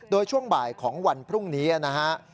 โดยช่วงบ่ายของวันพรุ่งนี้นะฮะ